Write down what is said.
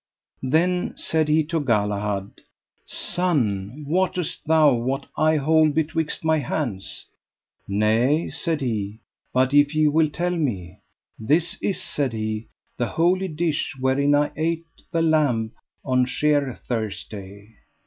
Then said he to Galahad: Son, wottest thou what I hold betwixt my hands? Nay, said he, but if ye will tell me. This is, said he, the holy dish wherein I ate the lamb on Sheer Thursday.